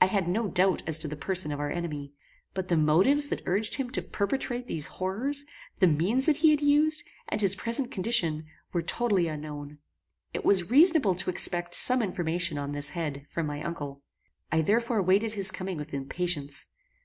I had no doubt as to the person of our enemy; but the motives that urged him to perpetrate these horrors, the means that he used, and his present condition, were totally unknown. It was reasonable to expect some information on this head, from my uncle. I therefore waited his coming with impatience.